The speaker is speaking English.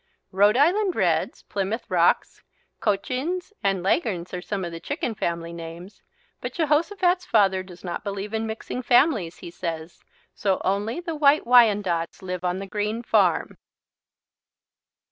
Rhode Island Reds, Plymouth Rocks, Cochins, and Leghorns are some of the chicken family names, but Jehosophat's father does not believe in mixing families, he says, so only the White Wyandottes live on the Green farm.